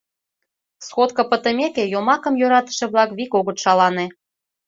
Сходка пытымеке, йомакым йӧратыше-влак вик огыт шалане.